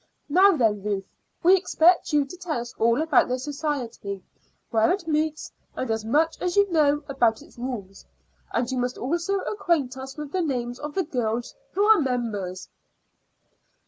Now then, Ruth, we expect you to tell us all about the society where it meets, and as much as you know about its rules. And you must also acquaint us with the names of the girls who are members."